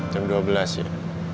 jam dua belas ya